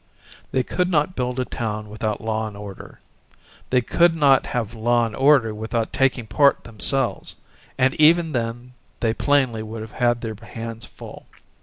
They could not build a town without law and order they could not have law and order without taking part themselves, and even then they plainly would have their hands full.